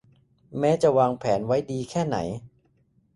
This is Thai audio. แม้จะวางแผนไว้ดีแค่ไหน